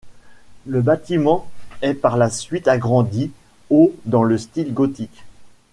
Le bâtiment est par la suite agrandi au dans le style gothique.